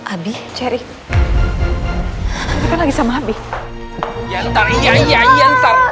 abi ceri ceri lagi sama habis